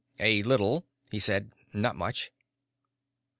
"A little," he said. "Not much."